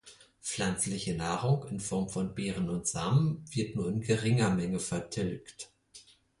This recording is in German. Pflanzliche Nahrung in Form von Beeren und Samen wird nur in geringer Menge vertilgt.